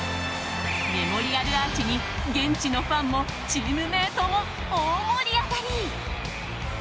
メモリアルアーチに現地のファンもチームメートも大盛り上がり。